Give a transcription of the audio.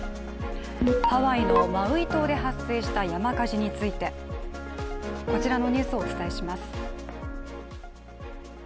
ハワイのマウイ島で発生した山火事について、こちらのニュースをお伝えします。